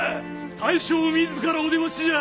大将自らお出ましじゃ。